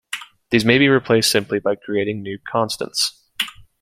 These may be replaced simply by creating new constants.